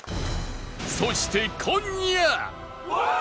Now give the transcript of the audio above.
そして今夜！